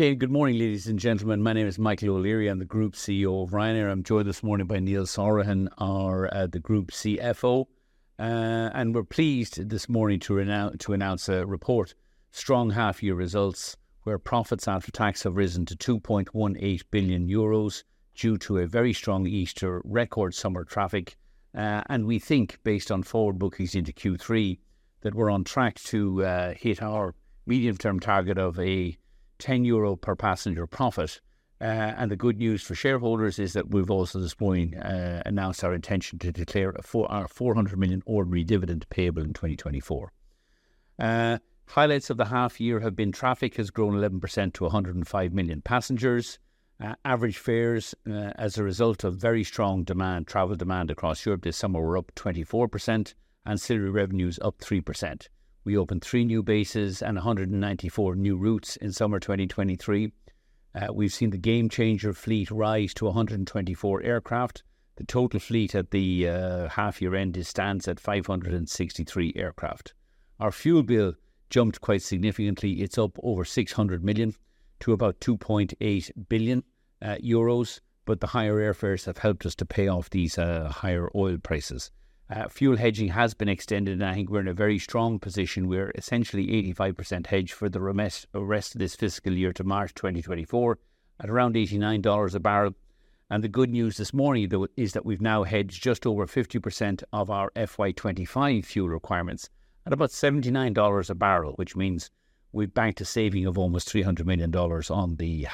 Okay, good morning, ladies and gentlemen. My name is Michael O'Leary. I'm the Group CEO of Ryanair. I'm joined this morning by Neil Sorahan, our, the Group CFO. And we're pleased this morning to announce a report. Strong half-year results, where profits after tax have risen to 2.18 billion euros due to a very strong Easter, record summer traffic. And we think, based on forward bookings into Q3, that we're on track to hit our medium-term target of a 10 euro per passenger profit. And the good news for shareholders is that we've also, this morning, announced our intention to declare a 400 million ordinary dividend payable in 2024. Highlights of the half year have been: traffic has grown 11% to 105 million passengers. Average fares, as a result of very strong demand, travel demand across Europe this summer, were up 24%, ancillary revenues up 3%. We opened three new bases and 194 new routes in summer 2023. We've seen the Gamechanger fleet rise to 124 aircraft. The total fleet at the half-year end, it stands at 563 aircraft. Our fuel bill jumped quite significantly. It's up over 600 million to about 2.8 billion euros, but the higher airfares have helped us to pay off these higher oil prices. Fuel hedging has been extended, and I think we're in a very strong position. We're essentially 85% hedged for the rest of this fiscal year to March 2024, at around $89 a barrel. The good news this morning, though, is that we've now hedged just over 50% of our FY 2025 fuel requirements at about $79 a barrel, which means we've banked a saving of almost $300 million on the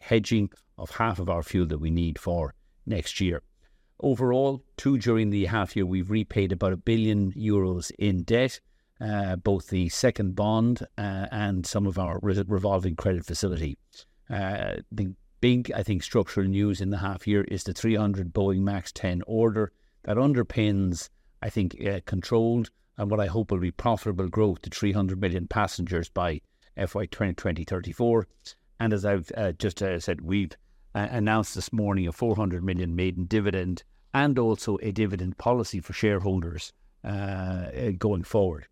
hedging of half of our fuel that we need for next year. Overall, too, during the half year, we've repaid about 1 billion euros in debt, both the second bond and some of our revolving credit facility. The big, I think, structural news in the half year is the 300 Boeing MAX 10 order. That underpins, I think, controlled and what I hope will be profitable growth to 300 million passengers by FY 2034. As I've just said, we've announced this morning a 400 million maiden dividend and also a dividend policy for shareholders, going forward.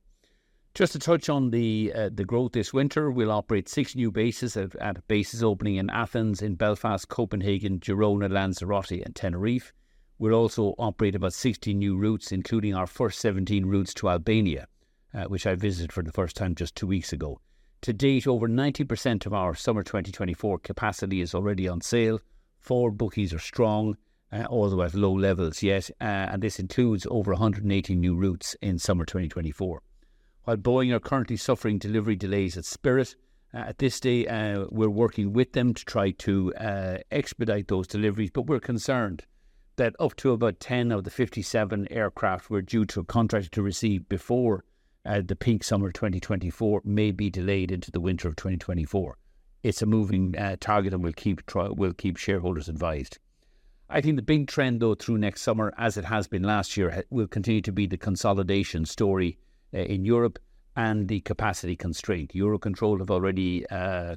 Just to touch on the growth this winter, we'll operate six new bases at bases opening in Athens, in Belfast, Copenhagen, Girona, Lanzarote and Tenerife. We'll also operate about 60 new routes, including our first 17 routes to Albania, which I visited for the first time just two weeks ago. To date, over 90% of our summer 2024 capacity is already on sale. Forward bookings are strong, although at low levels yet, and this includes over 180 new routes in summer 2024. While Boeing are currently suffering delivery delays at Spirit, at this stage, we're working with them to try to expedite those deliveries. But we're concerned that up to about 10 of the 57 aircraft we're due to contract to receive before the peak summer 2024 may be delayed into the winter of 2024. It's a moving target, and we'll keep track, we'll keep shareholders advised. I think the big trend, though, through next summer, as it has been last year, will continue to be the consolidation story in Europe and the capacity constraint. Eurocontrol have already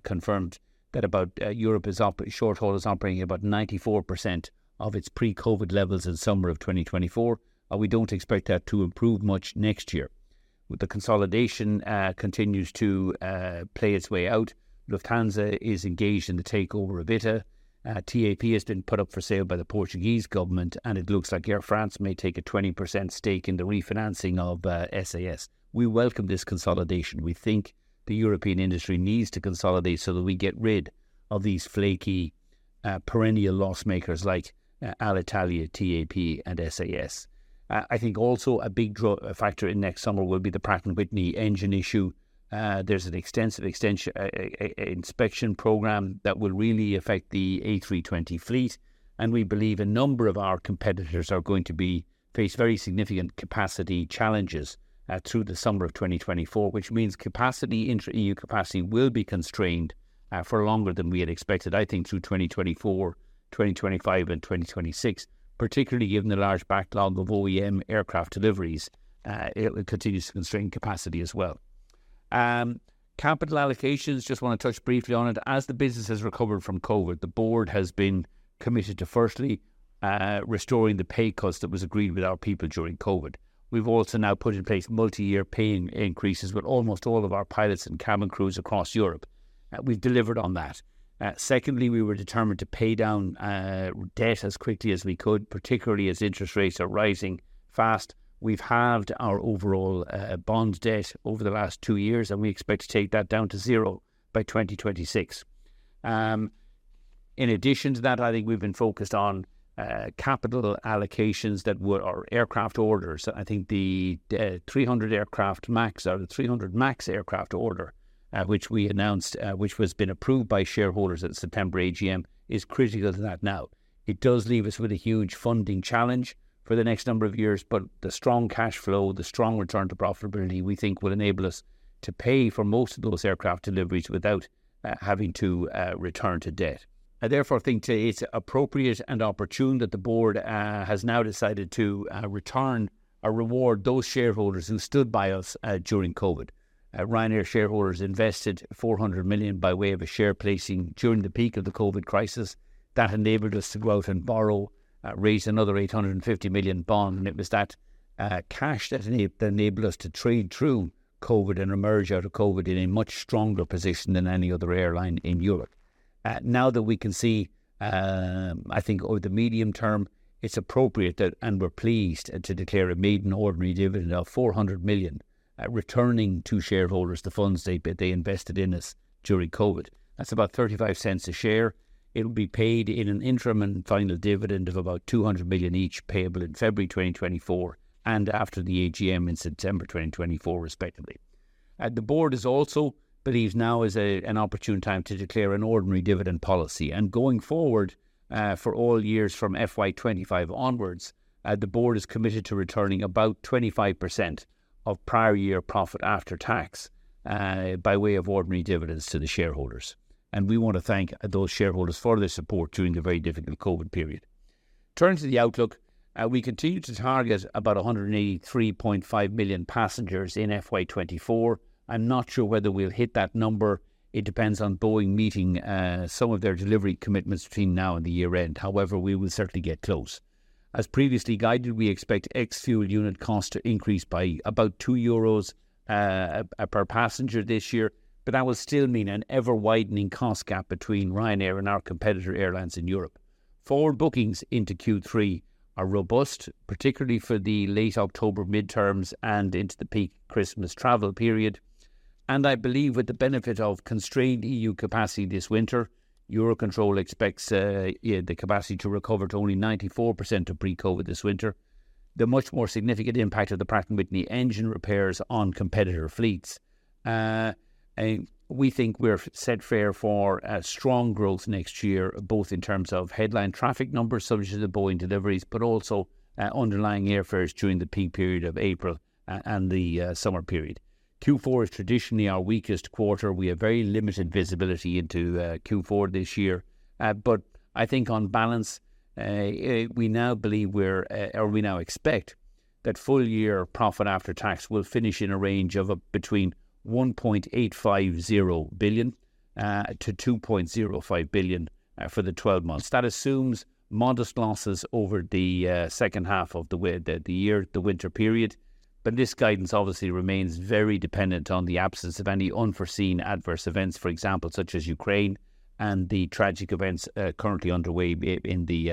confirmed that about Europe short haul is operating at about 94% of its pre-COVID levels in summer of 2024, and we don't expect that to improve much next year. With the consolidation continues to play its way out, Lufthansa is engaged in the takeover of ITA. TAP has been put up for sale by the Portuguese government, and it looks like Air France may take a 20% stake in the refinancing of SAS. We welcome this consolidation. We think the European industry needs to consolidate so that we get rid of these flaky perennial loss-makers like Alitalia, TAP and SAS. I think also a big factor in next summer will be the Pratt & Whitney engine issue. There's an extensive inspection program that will really affect the A320 fleet, and we believe a number of our competitors are going to face very significant capacity challenges through the summer of 2024, which means capacity, inter-EU capacity will be constrained for longer than we had expected, I think through 2024, 2025, and 2026, particularly given the large backlog of OEM aircraft deliveries. It continues to constrain capacity as well. Capital allocations, just want to touch briefly on it. As the business has recovered from COVID, the board has been committed to firstly restoring the pay cut that was agreed with our people during COVID. We've also now put in place multi-year pay increases with almost all of our pilots and cabin crews across Europe, and we've delivered on that. Secondly, we were determined to pay down debt as quickly as we could, particularly as interest rates are rising fast. We've halved our overall bond debt over the last two years, and we expect to take that down to zero by 2026. In addition to that, I think we've been focused on capital allocations that were our aircraft orders. I think the 300 aircraft MAX, or the 300 MAX aircraft order, which we announced, which was been approved by shareholders at the September AGM, is critical to that now. It does leave us with a huge funding challenge for the next number of years, but the strong cash flow, the strong return to profitability, we think will enable us to pay for most of those aircraft deliveries without having to return to debt. I therefore think today it's appropriate and opportune that the board has now decided to return or reward those shareholders who stood by us during COVID. Ryanair shareholders invested 400 million by way of a share placing during the peak of the COVID crisis. That enabled us to go out and borrow, raise another 850 million bond, and it was that cash that enabled us to trade through COVID and emerge out of COVID in a much stronger position than any other airline in Europe. Now that we can see, I think over the medium term, it's appropriate that, and we're pleased to declare a maiden ordinary dividend of 400 million, returning to shareholders the funds they invested in us during COVID. That's about 0.35 a share. It'll be paid in an interim and final dividend of about 200 million each, payable in February 2024, and after the AGM in September 2024, respectively. The board has also believed now is an opportune time to declare an ordinary dividend policy, and going forward, for all years from FY 2025 onwards, the board is committed to returning about 25% of prior year profit after tax, by way of ordinary dividends to the shareholders, and we want to thank those shareholders for their support during a very difficult COVID period. Turning to the outlook, we continue to target about 183.5 million passengers in FY 2024. I'm not sure whether we'll hit that number. It depends on Boeing meeting some of their delivery commitments between now and the year-end. However, we will certainly get close. As previously guided, we expect ex-fuel unit cost to increase by about 2 euros per passenger this year, but that will still mean an ever-widening cost gap between Ryanair and our competitor airlines in Europe. Forward bookings into Q3 are robust, particularly for the late October midterms and into the peak Christmas travel period, and I believe with the benefit of constrained EU capacity this winter, Eurocontrol expects the capacity to recover to only 94% of pre-COVID this winter. The much more significant impact of the Pratt & Whitney engine repairs on competitor fleets. We think we're set fair for a strong growth next year, both in terms of headline traffic numbers, subject to the Boeing deliveries, but also underlying airfares during the peak period of April and the summer period. Q4 is traditionally our weakest quarter. We have very limited visibility into Q4 this year. But I think on balance, we now believe we're or we now expect that full year profit after tax will finish in a range of between 1.850 billion-2.05 billion for the 12 months. That assumes modest losses over the second half of the year, the winter period, but this guidance obviously remains very dependent on the absence of any unforeseen adverse events, for example, such as Ukraine and the tragic events currently underway in the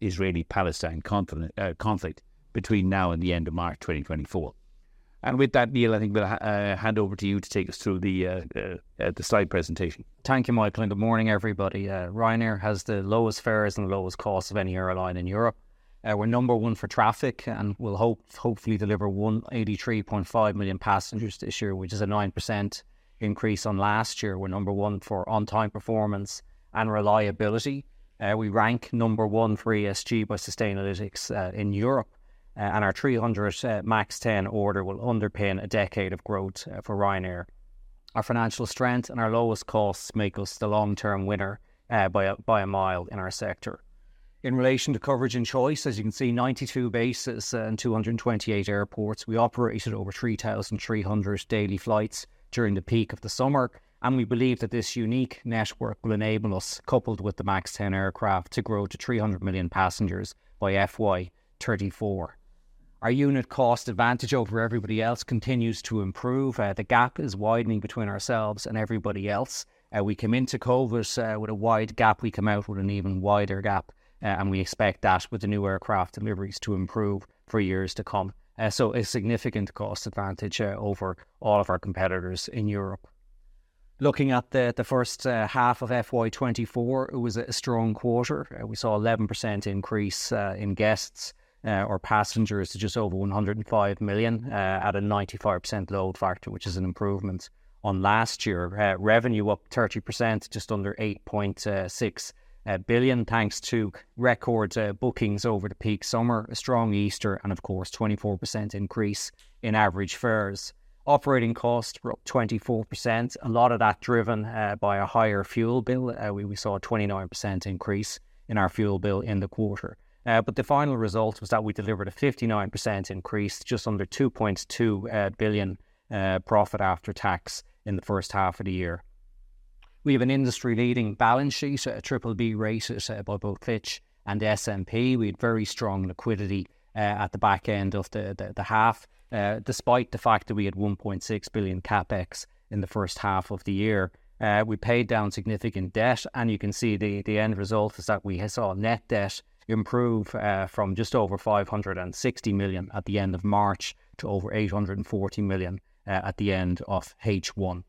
Israeli-Palestine conflict between now and the end of March 2024. And with that, Neil, I think we'll hand over to you to take us through the slide presentation. Thank you, Michael, and good morning, everybody. Ryanair has the lowest fares and the lowest costs of any airline in Europe. We're number one for traffic, and we'll hopefully deliver 183.5 million passengers this year, which is a 9% increase on last year. We're number one for on-time performance and reliability. We rank number one for ESG by Sustainalytics in Europe, and our 300 MAX 10 order will underpin a decade of growth for Ryanair. Our financial strength and our lowest costs make us the long-term winner by a mile in our sector. In relation to coverage and choice, as you can see, 92 bases and 228 airports. We operated over 3,300 daily flights during the peak of the summer, and we believe that this unique network will enable us, coupled with the MAX 10 aircraft, to grow to 300 million passengers by FY 2034. Our unit cost advantage over everybody else continues to improve. The gap is widening between ourselves and everybody else. We came into COVID with a wide gap. We come out with an even wider gap, and we expect that with the new aircraft deliveries, to improve for years to come. So a significant cost advantage over all of our competitors in Europe. Looking at the first half of FY 2024, it was a strong quarter. We saw 11% increase in guests or passengers to just over 105 million at a 95% load factor, which is an improvement on last year. Revenue up 30%, just under 8.6 billion, thanks to record bookings over the peak summer, a strong Easter and of course, 24% increase in average fares. Operating costs were up 24%, a lot of that driven by a higher fuel bill. We saw a 29% increase in our fuel bill in the quarter. But the final result was that we delivered a 59% increase, just under 2.2 billion profit after tax in the first half of the year. We have an industry-leading balance sheet, a BBB rating by both Fitch and S&P. We had very strong liquidity at the back end of the half despite the fact that we had 1.6 billion CapEx in the first half of the year. We paid down significant debt, and you can see the end result is that we saw net debt improve from just over 560 million at the end of March to over 840 million at the end of H1.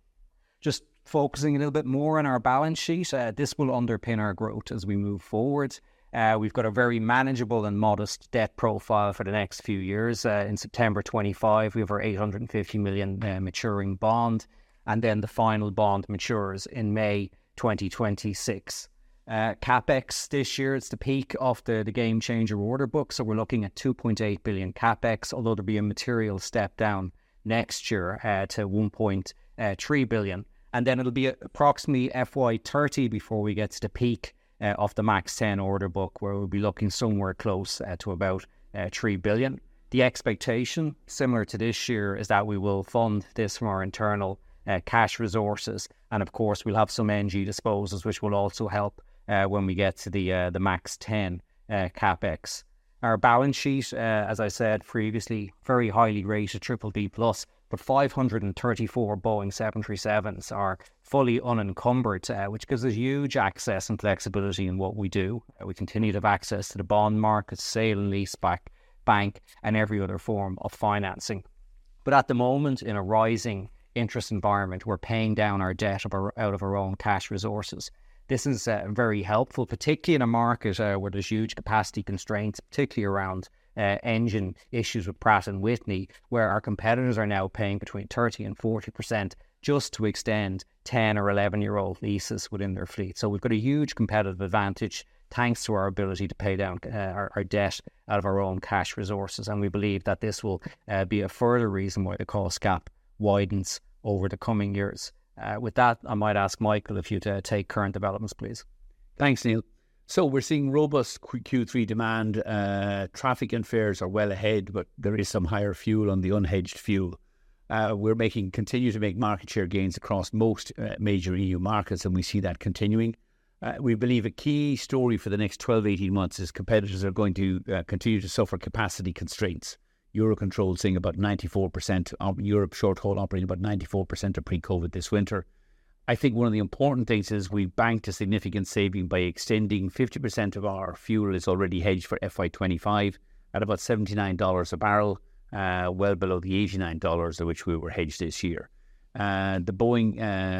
Just focusing a little bit more on our balance sheet, this will underpin our growth as we move forward. We've got a very manageable and modest debt profile for the next few years. In September 2025, we have our 850 million maturing bond, and then the final bond matures in May 2026. CapEx this year is the peak of the Gamechanger order book, so we're looking at 2.8 billion CapEx, although there'll be a material step down next year to 1.3 billion, and then it'll be approximately FY 2030 before we get to the peak of the MAX 10 order book, where we'll be looking somewhere close to about 3 billion. The expectation, similar to this year, is that we will fund this from our internal cash resources, and of course, we'll have some NG disposals, which will also help when we get to the MAX 10 CapEx. Our balance sheet, as I said previously, very highly rated, BBB+, but 534 Boeing 737s are fully unencumbered, which gives us huge access and flexibility in what we do. We continue to have access to the bond market, sale and lease back bank, and every other form of financing. But at the moment, in a rising interest environment, we're paying down our debt out of our own cash resources. This is very helpful, particularly in a market where there's huge capacity constraints, particularly around engine issues with Pratt & Whitney, where our competitors are now paying between 30%-40% just to extend 10- or 11-year-old leases within their fleet. So we've got a huge competitive advantage, thanks to our ability to pay down our debt out of our own cash resources, and we believe that this will be a further reason why the cost gap widens over the coming years. With that, I might ask Michael if you'd take current developments, please. Thanks, Neil. So we're seeing robust Q3 demand. Traffic and fares are well ahead, but there is some higher fuel on the unhedged fuel. We're making continue to make market share gains across most major EU markets, and we see that continuing. We believe a key story for the next 12-18 months is competitors are going to continue to suffer capacity constraints. Eurocontrol is saying about 94% of Europe's short-haul operating about 94% of pre-COVID this winter. I think one of the important things is we've banked a significant saving by extending 50% of our fuel is already hedged for FY 2025 at about $79 a barrel, well below the $89 at which we were hedged this year. And the Boeing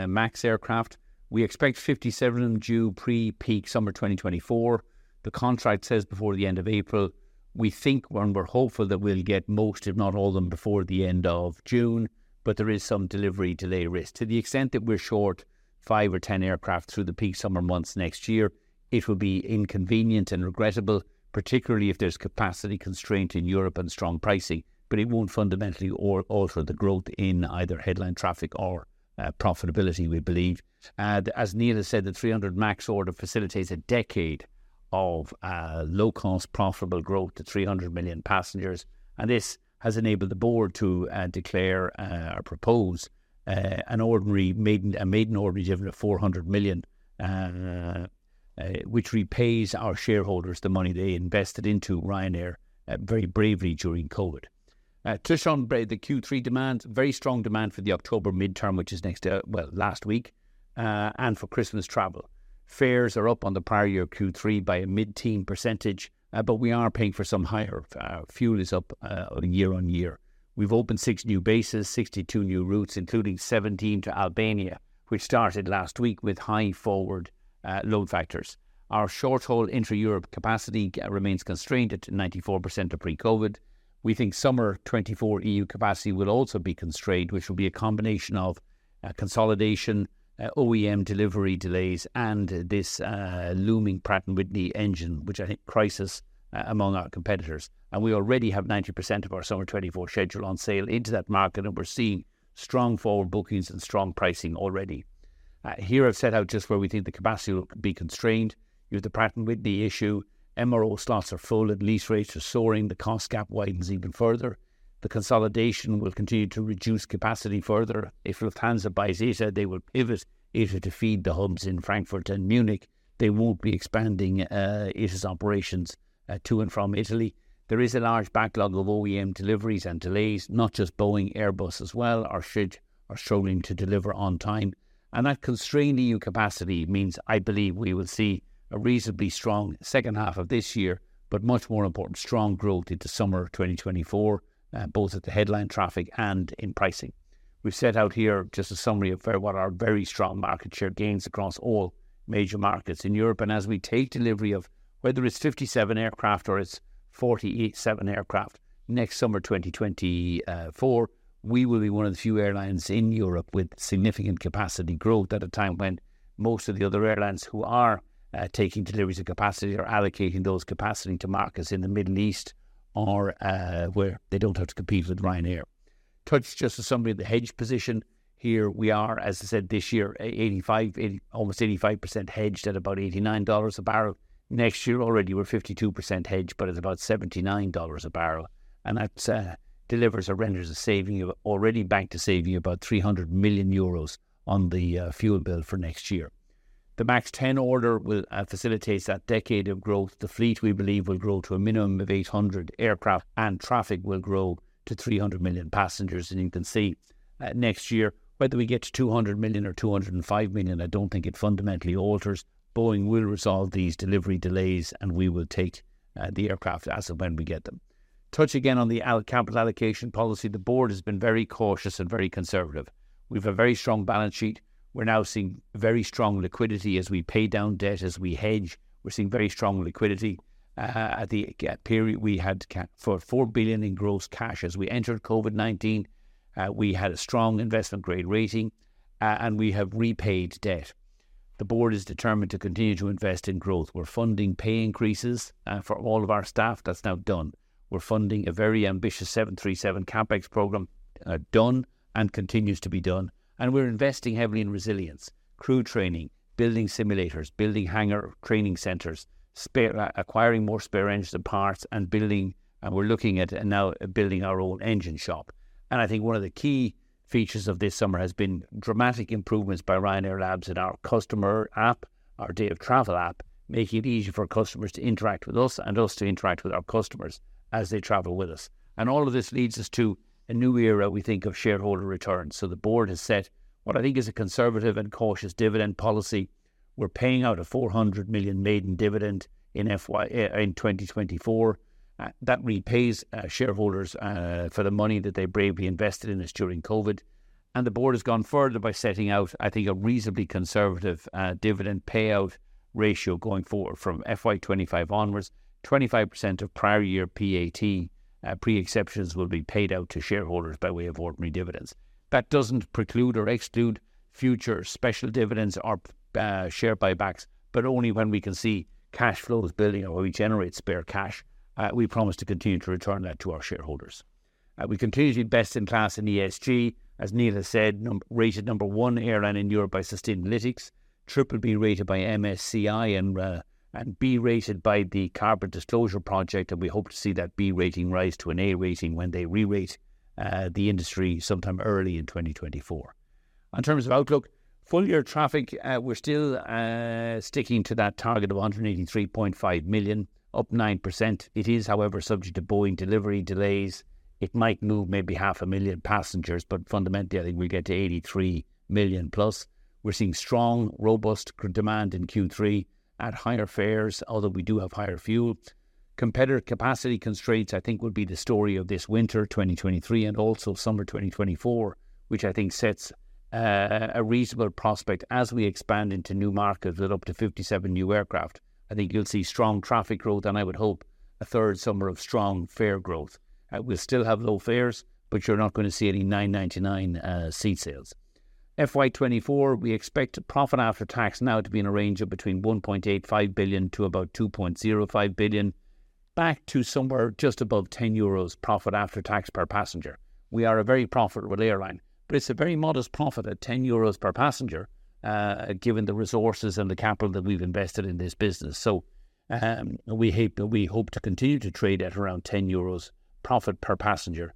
MAX aircraft, we expect 57 of them due pre-peak summer 2024. The contract says before the end of April. We think, and we're hopeful, that we'll get most, if not all, of them before the end of June, but there is some delivery delay risk. To the extent that we're short 5 or 10 aircraft through the peak summer months next year, it will be inconvenient and regrettable, particularly if there's capacity constraint in Europe and strong pricing, but it won't fundamentally alter the growth in either headline traffic or profitability, we believe. As Neil has said, the 300 MAX order facilitates a decade of low-cost, profitable growth to 300 million passengers, and this has enabled the board to declare or propose a maiden ordinary dividend of 400 million, which repays our shareholders the money they invested into Ryanair very bravely during COVID. Touch on the Q3 demand. Very strong demand for the October midterm, which is next, well, last week, and for Christmas travel. Fares are up on the prior year Q3 by a mid-teen percentage, but we are paying for some higher... Fuel is up, year-over-year. We've opened 6 new bases, 62 new routes, including 17 to Albania, which started last week with high forward load factors. Our short-haul intra-Europe capacity remains constrained at 94% of pre-COVID. We think summer 2024 EU capacity will also be constrained, which will be a combination of consolidation, OEM delivery delays, and this looming Pratt & Whitney engine, which I think crisis among our competitors. We already have 90% of our summer 2024 schedule on sale into that market, and we're seeing strong forward bookings and strong pricing already. Here I've set out just where we think the capacity will be constrained. You have the Pratt & Whitney issue. MRO slots are full, and lease rates are soaring. The cost gap widens even further. The consolidation will continue to reduce capacity further. If Lufthansa buys easyJet, they will pivot easyJet to feed the hubs in Frankfurt and Munich. They won't be expanding easyJet's operations to and from Italy. There is a large backlog of OEM deliveries and delays, not just Boeing, Airbus as well, are struggling to deliver on time. That constrained E.U. capacity means I believe we will see a reasonably strong second half of this year, but much more important, strong growth into summer 2024, both at the headline traffic and in pricing. We've set out here just a summary of our, what are very strong market share gains across all major markets in Europe. And as we take delivery of whether it's 57 aircraft or it's 48-7 aircraft next summer 2024, we will be one of the few airlines in Europe with significant capacity growth at a time when most of the other airlines who are taking deliveries of capacity are allocating those capacity to markets in the Middle East or where they don't have to compete with Ryanair. That's just a summary of the hedge position. Here we are, as I said, this year, 85, almost 85% hedged at about $89 a barrel. Next year, already we're 52% hedged, but it's about $79 a barrel, and that delivers or renders a saving of already banked a saving of about 300 million euros on the fuel bill for next year. The MAX 10 order will facilitate that decade of growth. The fleet, we believe, will grow to a minimum of 800 aircraft, and traffic will grow to 300 million passengers. And you can see, next year, whether we get to 200 million or 205 million, I don't think it fundamentally alters. Boeing will resolve these delivery delays, and we will take the aircraft as and when we get them. Touch again on the capital allocation policy. The board has been very cautious and very conservative. We've a very strong balance sheet. We're now seeing very strong liquidity as we pay down debt, as we hedge. We're seeing very strong liquidity. At the period, we had 4 billion in gross cash as we entered COVID-19. We had a strong investment-grade rating, and we have repaid debt. The board is determined to continue to invest in growth. We're funding pay increases for all of our staff. That's now done. We're funding a very ambitious 737 CapEx program, done and continues to be done. And we're investing heavily in resilience, crew training, building simulators, building hangar training centers, acquiring more spare engines and parts, and building... And we're looking at and now building our own engine shop.... and I think one of the key features of this summer has been dramatic improvements by Ryanair Labs and our customer app, our day-of-travel app, making it easier for customers to interact with us and us to interact with our customers as they travel with us. And all of this leads us to a new era, we think, of shareholder returns. So the board has set what I think is a conservative and cautious dividend policy. We're paying out a 400 million maiden dividend in FY in 2024. That repays, shareholders, for the money that they bravely invested in us during COVID. And the board has gone further by setting out, I think, a reasonably conservative, dividend payout ratio going forward. From FY 2025 onwards, 25% of prior year PAT, pre-exceptions, will be paid out to shareholders by way of ordinary dividends. That doesn't preclude or exclude future special dividends or share buybacks, but only when we can see cash flows building or we generate spare cash, we promise to continue to return that to our shareholders. We continue to be best-in-class in ESG. As Neil has said, rated number one airline in Europe by Sustainalytics, Triple B rated by MSCI, and B rated by the Carbon Disclosure Project, and we hope to see that B rating rise to an A rating when they re-rate the industry sometime early in 2024. In terms of outlook, full-year traffic, we're still sticking to that target of 183.5 million, up 9%. It is, however, subject to Boeing delivery delays. It might move maybe 500,000 passengers, but fundamentally, I think we'll get to 83 million+. We're seeing strong, robust demand in Q3 at higher fares, although we do have higher fuel. Competitor capacity constraints, I think, will be the story of this winter, 2023, and also summer 2024, which I think sets a reasonable prospect as we expand into new markets with up to 57 new aircraft. I think you'll see strong traffic growth and I would hope, a third summer of strong fare growth. We'll still have low fares, but you're not going to see any 9.99 seat sales. FY 2024, we expect profit after tax now to be in a range of between 1.85 billion to about 2.05 billion, back to somewhere just above 10 euros profit after tax per passenger. We are a very profitable airline, but it's a very modest profit at 10 euros per passenger, given the resources and the capital that we've invested in this business. So, we hope, we hope to continue to trade at around 10 euros profit per passenger,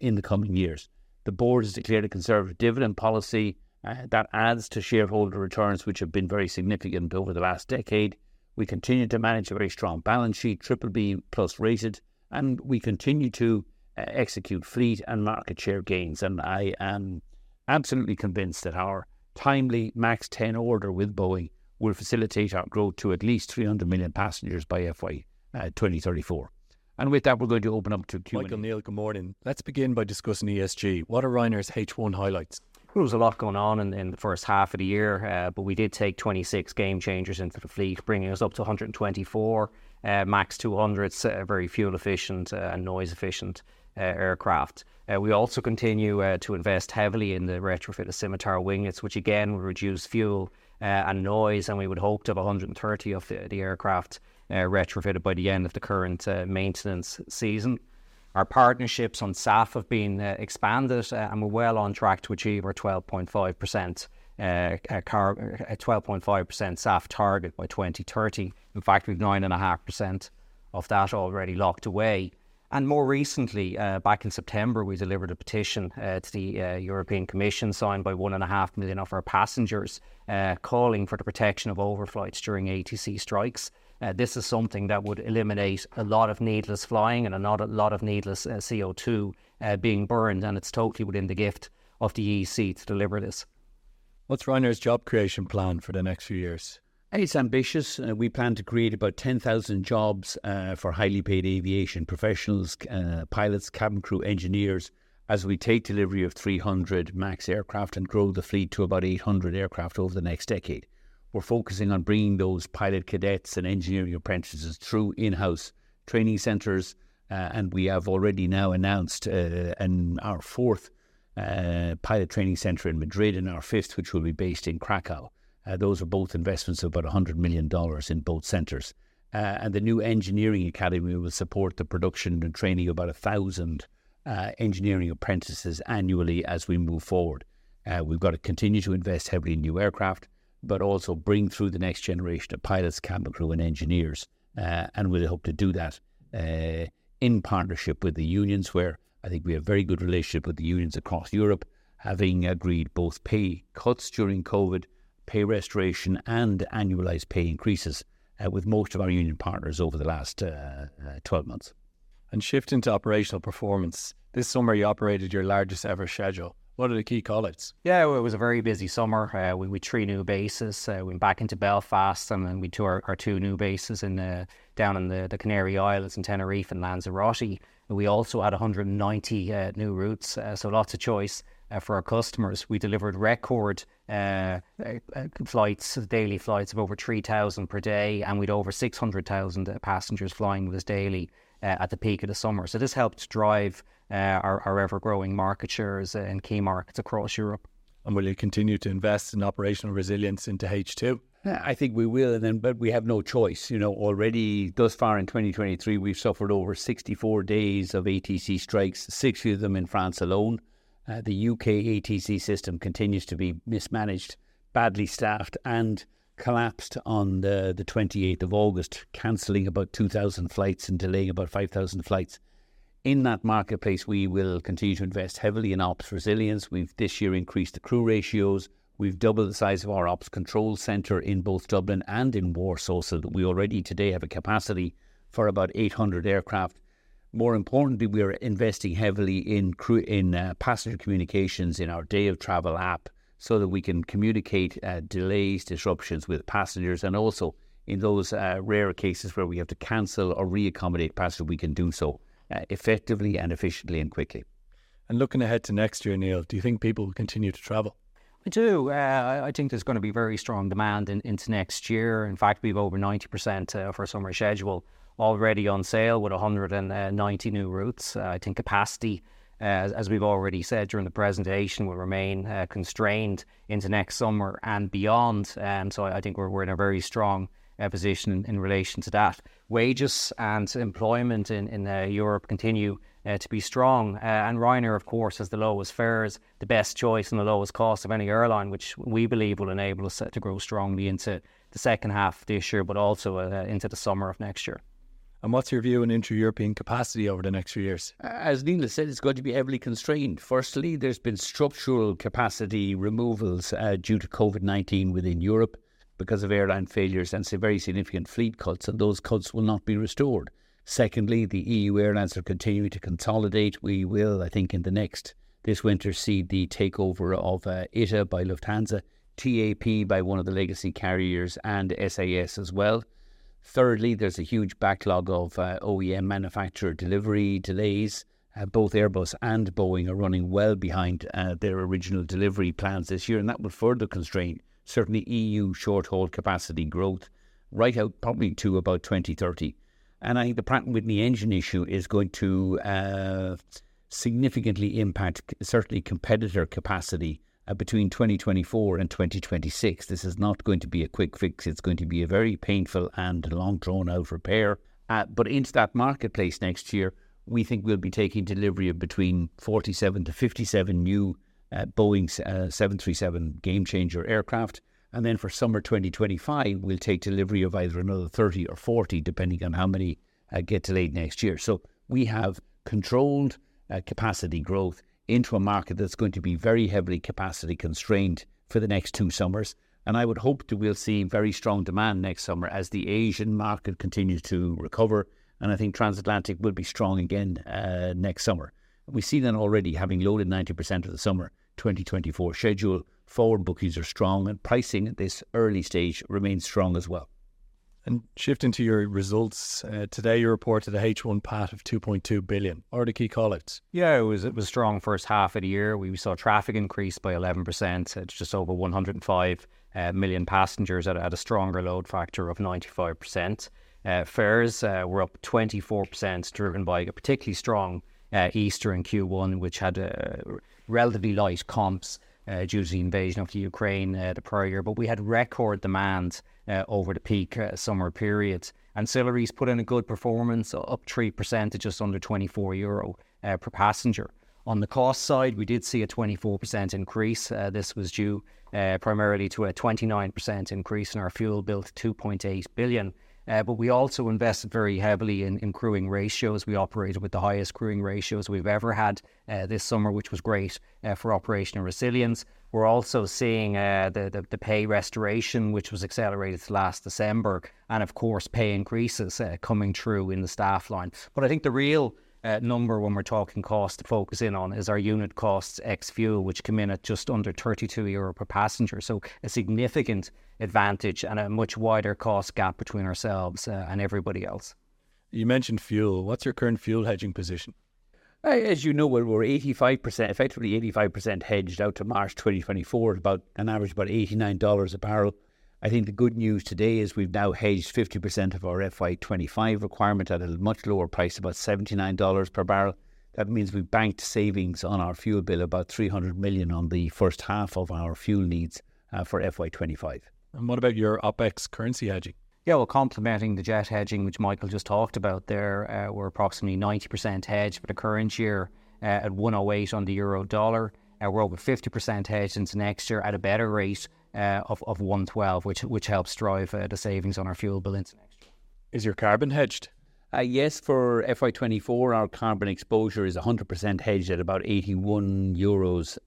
in the coming years. The board has declared a conservative dividend policy, that adds to shareholder returns, which have been very significant over the last decade. We continue to manage a very strong balance sheet, Triple B plus rated, and we continue to execute fleet and market share gains. And I am absolutely convinced that our timely MAX 10 order with Boeing will facilitate our growth to at least 300 million passengers by FY, 2034. And with that, we're going to open up to Q&A. Michael O'Leary, good morning. Let's begin by discussing ESG. What are Ryanair's H1 highlights? There was a lot going on in the first half of the year, but we did take 26 Gamechangers into the fleet, bringing us up to 124 MAX 200s, a very fuel-efficient and noise-efficient aircraft. We also continue to invest heavily in the retrofit of Scimitar winglets, which again will reduce fuel and noise, and we would hope to have 130 of the aircraft retrofitted by the end of the current maintenance season. Our partnerships on SAF have been expanded, and we're well on track to achieve our 12.5% SAF target by 2030. In fact, we've 9.5% of that already locked away. More recently, back in September, we delivered a petition to the European Commission, signed by 1.5 million of our passengers, calling for the protection of overflights during ATC strikes. This is something that would eliminate a lot of needless flying and not a lot of needless CO2 being burned, and it's totally within the gift of the EEC to deliver this. What's Ryanair's job creation plan for the next few years? It's ambitious. We plan to create about 10,000 jobs for highly paid aviation professionals, pilots, cabin crew, engineers, as we take delivery of 300 MAX aircraft and grow the fleet to about 800 aircraft over the next decade. We're focusing on bringing those pilot cadets and engineering apprentices through in-house training centers, and we have already now announced our fourth pilot training center in Madrid, and our fifth, which will be based in Kraków. Those are both investments of about $100 million in both centers. And the new engineering academy will support the production and training of about 1,000 engineering apprentices annually as we move forward. We've got to continue to invest heavily in new aircraft, but also bring through the next generation of pilots, cabin crew, and engineers. And we hope to do that in partnership with the unions, where I think we have very good relationship with the unions across Europe, having agreed both pay cuts during COVID, pay restoration, and annualized pay increases with most of our union partners over the last 12 months. Shifting to operational performance, this summer you operated your largest-ever schedule. What are the key call-outs? Yeah, well, it was a very busy summer with 3 new bases. We went back into Belfast, and then we took our 2 new bases down in the Canary Islands, in Tenerife and Lanzarote. We also had 190 new routes, so lots of choice for our customers. We delivered record flights, daily flights of over 3,000 per day, and we'd over 600,000 passengers flying with us daily at the peak of the summer. So this helped drive our ever-growing market shares in key markets across Europe. Will you continue to invest in operational resilience into H2? I think we will, and then, but we have no choice. You know, already thus far in 2023, we've suffered over 64 days of ATC strikes, 60 of them in France alone. The UK ATC system continues to be mismanaged, badly staffed, and collapsed on the 28th of August, canceling about 2,000 flights and delaying about 5,000 flights. In that marketplace, we will continue to invest heavily in ops resilience. We've this year increased the crew ratios. We've doubled the size of our ops control center in both Dublin and in Warsaw, so that we already today have a capacity for about 800 aircraft. More importantly, we are investing heavily in passenger communications in our day-of-travel app so that we can communicate delays, disruptions with passengers, and also in those rare cases where we have to cancel or re-accommodate passengers, we can do so effectively and efficiently and quickly. Looking ahead to next year, Neil, do you think people will continue to travel? I do. I think there's gonna be very strong demand into next year. In fact, we've over 90% for our summer schedule already on sale, with 190 new routes. I think capacity, as we've already said during the presentation, will remain constrained into next summer and beyond, and so I think we're in a very strong position in relation to that. Wages and employment in Europe continue to be strong. And Ryanair, of course, has the lowest fares, the best choice, and the lowest cost of any airline, which we believe will enable us to grow strongly into the second half of this year but also into the summer of next year. What's your view on inter-European capacity over the next few years? As Neil has said, it's going to be heavily constrained. Firstly, there's been structural capacity removals due to COVID-19 within Europe because of airline failures and some very significant fleet cuts, and those cuts will not be restored. Secondly, the EU airlines are continuing to consolidate. We will, I think, in the next- this winter, see the takeover of ITA by Lufthansa, TAP by one of the legacy carriers, and SAS as well. Thirdly, there's a huge backlog of OEM manufacturer delivery delays. Both Airbus and Boeing are running well behind their original delivery plans this year, and that will further constrain certainly EU short-haul capacity growth right out probably to about 2030. And I think the Pratt & Whitney engine issue is going to significantly impact certainly competitor capacity between 2024 and 2026. This is not going to be a quick fix. It's going to be a very painful and long, drawn-out repair. But into that marketplace next year, we think we'll be taking delivery of between 47-57 new Boeing 737 Gamechanger aircraft, and then for summer 2025, we'll take delivery of either another 30 or 40, depending on how many get delivered next year. So we have controlled capacity growth into a market that's going to be very heavily capacity constrained for the next two summers, and I would hope that we'll see very strong demand next summer as the Asian market continues to recover, and I think transatlantic will be strong again next summer. We see that already, having loaded 90% of the summer 2024 schedule. Forward bookings are strong, and pricing at this early stage remains strong as well. Shifting to your results, today you reported a H1 PAT of 2.2 billion. What are the key call-outs? Yeah, it was a strong first half of the year. We saw traffic increase by 11%, so just over 105 million passengers at a stronger load factor of 95%. Fares were up 24%, driven by a particularly strong Easter in Q1, which had relatively light comps due to the invasion of Ukraine the prior year. But we had record demand over the peak summer periods. Ancillaries put in a good performance, up 3% to just under 24 euro per passenger. On the cost side, we did see a 24% increase. This was due primarily to a 29% increase in our fuel bill to 2.8 billion. But we also invest very heavily in crewing ratios. We operated with the highest crewing ratios we've ever had, this summer, which was great, for operational resilience. We're also seeing, the pay restoration, which was accelerated last December, and of course, pay increases, coming through in the staff line. But I think the real number when we're talking cost to focus in on is our unit costs ex fuel, which come in at just under 32 euro per passenger, so a significant advantage and a much wider cost gap between ourselves, and everybody else. You mentioned fuel. What's your current fuel hedging position? As you know, we're, we're 85%, effectively 85% hedged out to March 2024, at about an average about $89 a barrel. I think the good news today is we've now hedged 50% of our FY 2025 requirement at a much lower price, about $79 per barrel. That means we've banked savings on our fuel bill, about $300 million on the first half of our fuel needs, for FY 2025. What about your OpEx currency hedging? Yeah, well, complementing the jet hedging, which Michael just talked about there, we're approximately 90% hedged for the current year, at 108 on the euro/dollar, and we're over 50% hedged into next year at a better rate of 112, which helps drive the savings on our fuel bill into next year. Is your carbon hedged? Yes, for FY 2024, our carbon exposure is 100% hedged at about 81 euros.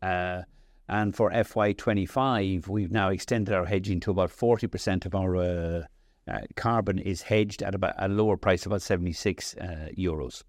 For FY 2025, we've now extended our hedging to about 40% of our carbon is hedged at about a lower price, about 76 euros.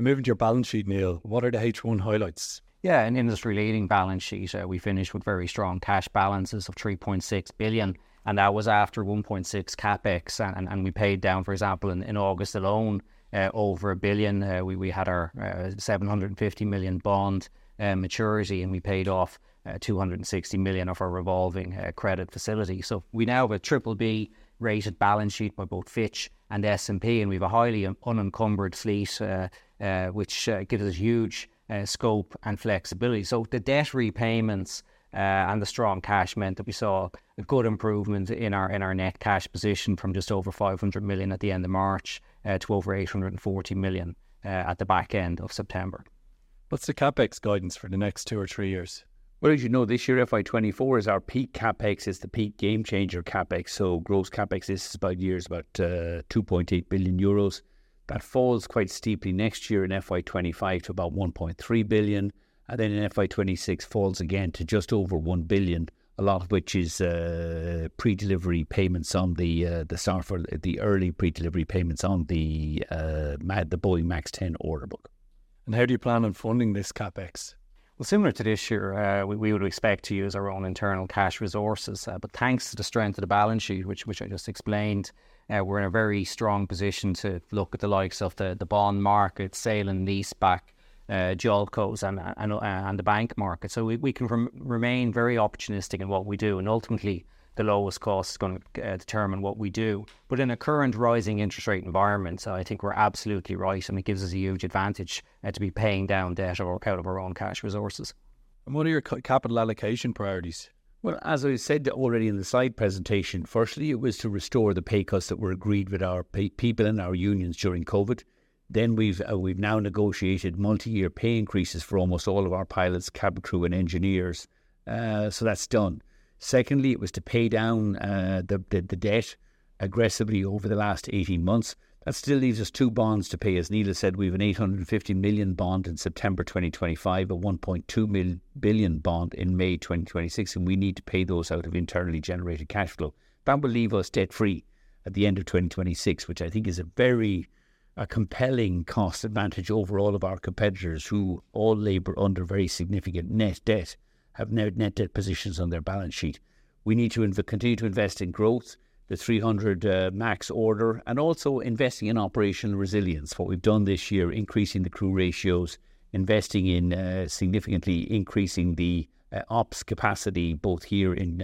Moving to your balance sheet, Neil, what are the H1 highlights? Yeah, an industry-leading balance sheet. We finished with very strong cash balances of 3.6 billion, and that was after 1.6 billion CapEx. We paid down, for example, in August alone, over 1 billion. We had our 750 million bond maturity, and we paid off 260 million of our revolving credit facility. So we now have a BBB-rated balance sheet by both Fitch and S&P, and we've a highly unencumbered fleet, which gives us huge scope and flexibility. So the debt repayments and the strong cash meant that we saw a good improvement in our net cash position from just over 500 million at the end of March to over 840 million at the back end of September.... What's the CapEx guidance for the next two or three years? Well, as you know, this year, FY 2024, is our peak CapEx. It's the peak game-changer CapEx, so gross CapEx this year is about 2.8 billion euros. That falls quite steeply next year in FY 2025 to about 1.3 billion, and then in FY 2026, falls again to just over 1 billion, a lot of which is pre-delivery payments on the sort of early pre-delivery payments on the Boeing MAX 10 order book. How do you plan on funding this CapEx? Well, similar to this year, we would expect to use our own internal cash resources. But thanks to the strength of the balance sheet, which I just explained, we're in a very strong position to look at the likes of the bond market, sale and lease-back, JOLCOs, and the bank market. So we can remain very opportunistic in what we do, and ultimately, the lowest cost is gonna determine what we do. But in a current rising interest rate environment, I think we're absolutely right, and it gives us a huge advantage to be paying down debt out of our own cash resources. What are your capital allocation priorities? Well, as I said already in the slide presentation, firstly, it was to restore the pay cuts that were agreed with our people and our unions during COVID. Then we've, we've now negotiated multi-year pay increases for almost all of our pilots, cabin crew, and engineers. So that's done. Secondly, it was to pay down the debt aggressively over the last 18 months. That still leaves us two bonds to pay. As Neil said, we have an 850 million bond in September 2025, a 1.2 billion bond in May 2026, and we need to pay those out of internally generated cash flow. That will leave us debt-free at the end of 2026, which I think is a very compelling cost advantage over all of our competitors, who all labor under very significant net debt, have net debt positions on their balance sheet. We need to continue to invest in growth, the 300 MAX order, and also investing in operational resilience, what we've done this year, increasing the crew ratios, investing in, significantly increasing the ops capacity, both here in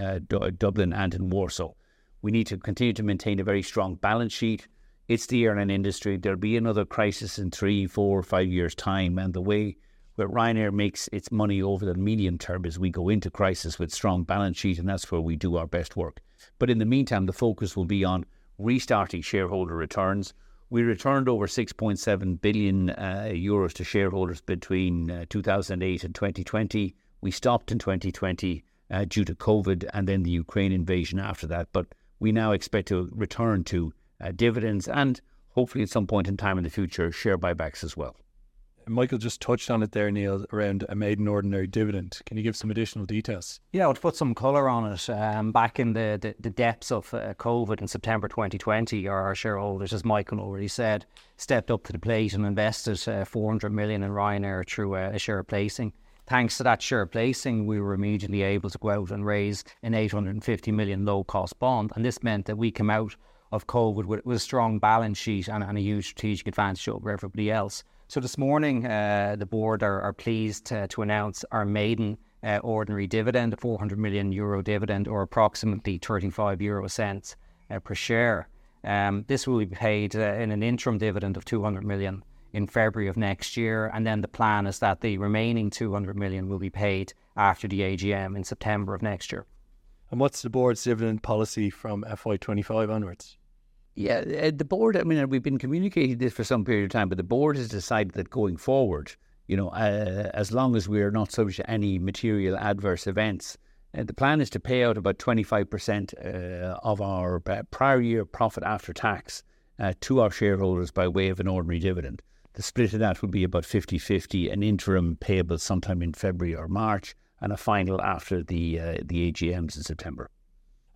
Dublin and in Warsaw. We need to continue to maintain a very strong balance sheet. It's the airline industry. There'll be another crisis in 3, 4, or 5 years' time, and the way that Ryanair makes its money over the medium term is we go into crisis with strong balance sheet, and that's where we do our best work. But in the meantime, the focus will be on restarting shareholder returns. We returned over 6.7 billion euros to shareholders between 2008 and 2020. We stopped in 2020 due to COVID and then the Ukraine invasion after that. But we now expect to return to dividends and hopefully, at some point in time in the future, share buyback program as well. Michael just touched on it there, Neil, around a maiden ordinary dividend. Can you give some additional details? Yeah, I'll put some color on it. Back in the depths of COVID in September 2020, our shareholders, as Michael already said, stepped up to the plate and invested 400 million in Ryanair through a share placing. Thanks to that share placing, we were immediately able to go out and raise an 850 million low-cost bond, and this meant that we come out of COVID with a strong balance sheet and a huge strategic advantage over everybody else. So this morning, the board are pleased to announce our maiden ordinary dividend, a 400 million euro dividend or approximately 0.35 per share. This will be paid in an interim dividend of 200 million in February of next year, and then the plan is that the remaining 200 million will be paid after the AGM in September of next year. What's the board's dividend policy from FY 2025 onwards? Yeah, the board... I mean, and we've been communicating this for some period of time, but the board has decided that going forward, you know, as long as we're not subject to any material adverse events, the plan is to pay out about 25% of our prior year profit after tax to our shareholders by way of an ordinary dividend. The split of that will be about 50/50, an interim payable sometime in February or March, and a final after the AGMs in September.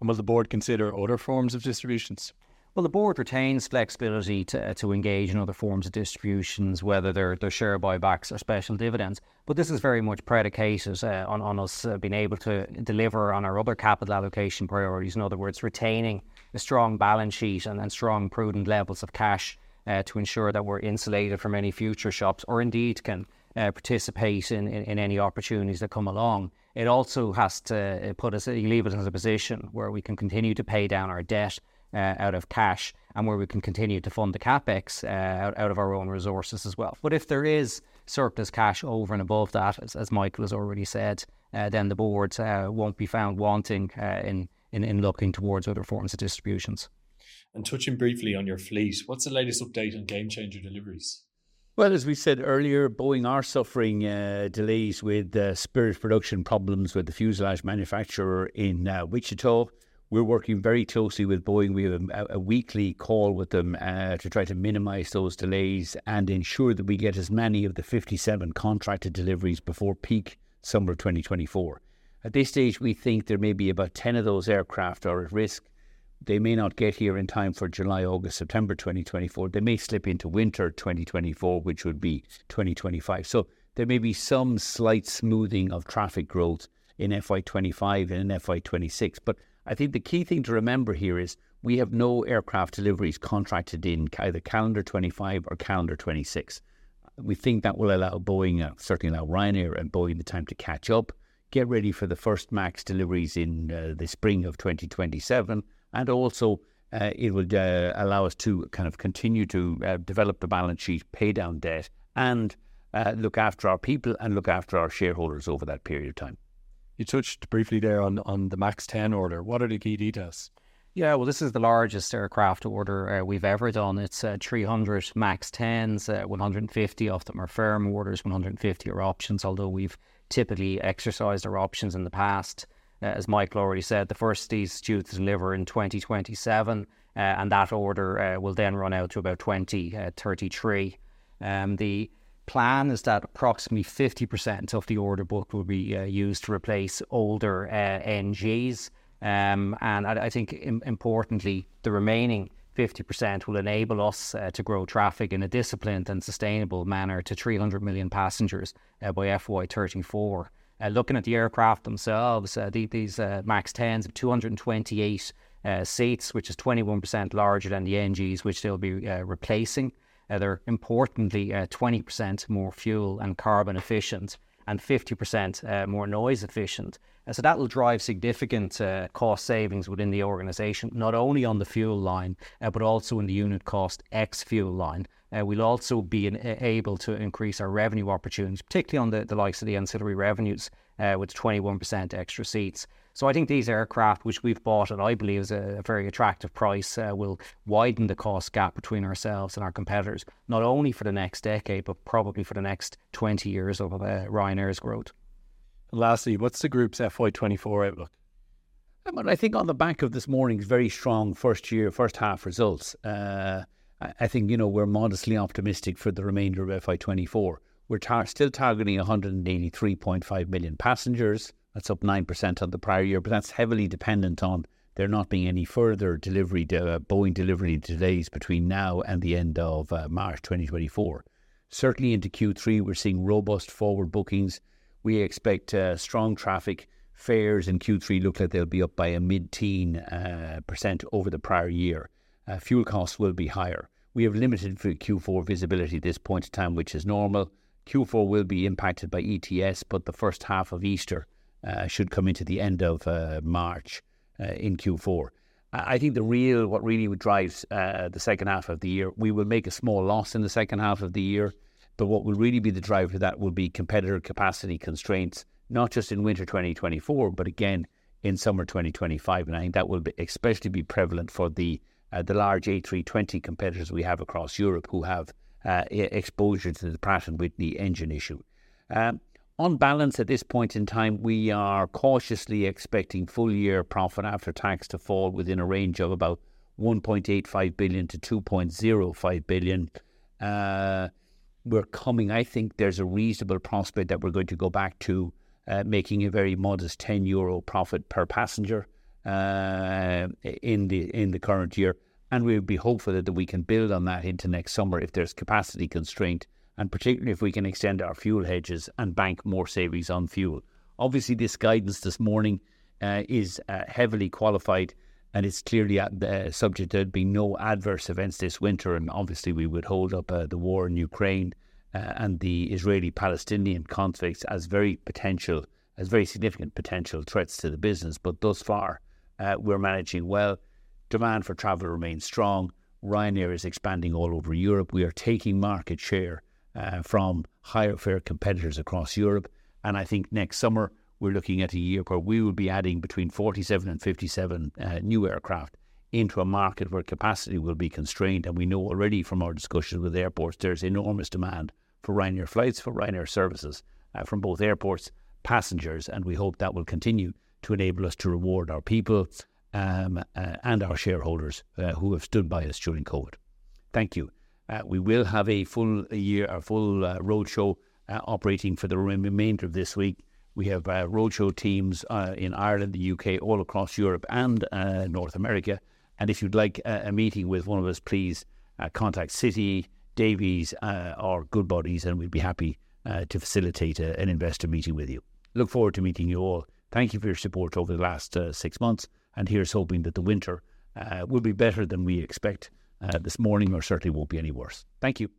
Will the board consider other forms of distributions? Well, the board retains flexibility to engage in other forms of distributions, whether they're share buybacks or special dividends, but this is very much predicated on us being able to deliver on our other capital allocation priorities. In other words, retaining a strong balance sheet and strong, prudent levels of cash to ensure that we're insulated from any future shocks or indeed can participate in any opportunities that come along. It also has to put us, leave us in a position where we can continue to pay down our debt out of cash, and where we can continue to fund the CapEx out of our own resources as well. But if there is surplus cash over and above that, as Michael has already said, then the boards won't be found wanting in looking towards other forms of distributions. Touching briefly on your fleet, what's the latest update on Gamechanger deliveries? Well, as we said earlier, Boeing are suffering delays with Spirit production problems with the fuselage manufacturer in Wichita. We're working very closely with Boeing. We have a weekly call with them to try to minimize those delays and ensure that we get as many of the 57 contracted deliveries before peak summer 2024. At this stage, we think there may be about 10 of those aircraft are at risk. They may not get here in time for July, August, September 2024. They may slip into winter 2024, which would be 2025. So there may be some slight smoothing of traffic growth in FY 2025 and in FY 2026. But I think the key thing to remember here is we have no aircraft deliveries contracted in either calendar 2025 or calendar 2026. We think that will allow Boeing, certainly allow Ryanair and Boeing, the time to catch up, get ready for the first MAX deliveries in, the spring of 2027, and also, it will, allow us to kind of continue to, develop the balance sheet, pay down debt, and, look after our people and look after our shareholders over that period of time. ... You touched briefly there on the MAX 10 order. What are the key details? Yeah, well, this is the largest aircraft order we've ever done. It's 300 MAX 10s. 150 of them are firm orders, 150 are options, although we've typically exercised our options in the past. As Michael already said, the first of these is due to deliver in 2027, and that order will then run out to about 2033. The plan is that approximately 50% of the order book will be used to replace older NGs. And I think importantly, the remaining 50% will enable us to grow traffic in a disciplined and sustainable manner to 300 million passengers by FY 2034. Looking at the aircraft themselves, these MAX 10s have 228 seats, which is 21% larger than the NGs, which they'll be replacing. They're importantly 20% more fuel and carbon efficient and 50% more noise efficient. And so that will drive significant cost savings within the organization, not only on the fuel line, but also in the unit cost ex-fuel line. We'll also be able to increase our revenue opportunities, particularly on the likes of the ancillary revenues with 21% extra seats. So I think these aircraft, which we've bought at, I believe, is a very attractive price, will widen the cost gap between ourselves and our competitors, not only for the next decade, but probably for the next 20 years of Ryanair's growth. Lastly, what's the group's FY 2024 outlook? I think on the back of this morning's very strong first half results, I think, you know, we're modestly optimistic for the remainder of FY 2024. We're still targeting 183.5 million passengers. That's up 9% on the prior year, but that's heavily dependent on there not being any further delivery Boeing delivery delays between now and the end of March 2024. Certainly into Q3, we're seeing robust forward bookings. We expect strong traffic. Fares in Q3 look like they'll be up by a mid-teen % over the prior year. Fuel costs will be higher. We have limited Q4 visibility at this point in time, which is normal. Q4 will be impacted by ETS, but the first half of Easter should come into the end of March in Q4. I think what really drives the second half of the year, we will make a small loss in the second half of the year, but what will really be the driver for that will be competitor capacity constraints, not just in winter 2024, but again in summer 2025. And I think that will be especially prevalent for the large A320 competitors we have across Europe, who have exposure to the Pratt & Whitney engine issue. On balance, at this point in time, we are cautiously expecting full-year profit after tax to fall within a range of about 1.85 billion-2.05 billion. We're coming. I think there's a reasonable prospect that we're going to go back to making a very modest 10 euro profit per passenger in the current year. We'll be hopeful that we can build on that into next summer if there's capacity constraint, and particularly if we can extend our fuel hedges and bank more savings on fuel. Obviously, this guidance this morning is heavily qualified, and it's clearly subject to there being no adverse events this winter. Obviously, we would hold up the war in Ukraine and the Israeli-Palestinian conflicts as very significant potential threats to the business. But thus far, we're managing well. Demand for travel remains strong. Ryanair is expanding all over Europe. We are taking market share from higher-fare competitors across Europe, and I think next summer we're looking at a year where we will be adding between 47 and 57 new aircraft into a market where capacity will be constrained. We know already from our discussions with airports, there's enormous demand for Ryanair flights, for Ryanair services, from both airports, passengers, and we hope that will continue to enable us to reward our people, and our shareholders, who have stood by us during COVID. Thank you. We will have a full-year roadshow operating for the remainder of this week. We have roadshow teams in Ireland, the UK, all across Europe, and North America. If you'd like a meeting with one of us, please contact Citi, Davy, or Goodbody, and we'd be happy to facilitate an investor meeting with you. Look forward to meeting you all. Thank you for your support over the last six months, and here's hoping that the winter will be better than we expect this morning, or certainly won't be any worse. Thank you.